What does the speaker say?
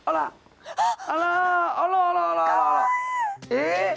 えっ？